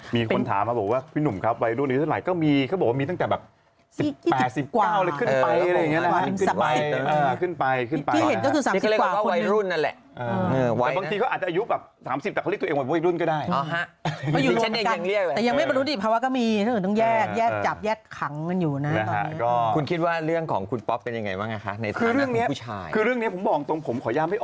มีคนถามมาบอกว่าพี่หนุ่มครับวัยรุ่นนี้สลายก็มีเขาบอกว่ามีตั้งแต่แบบ